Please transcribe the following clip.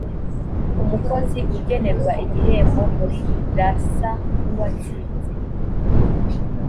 umukozi ugenerwa igihembo muri ralsa nuwatsinze.